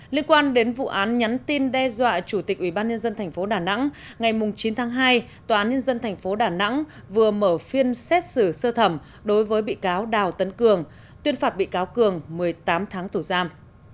liên quan đến vụ án nhắn tin đe dọa chủ tịch ubnd tp đà nẵng ngày chín tháng hai tòa án nhân dân tp đà nẵng vừa mở phiên xét xử sơ thẩm đối với bị cáo đào tấn cường tuyên phạt bị cáo cường một mươi tám tháng tù giam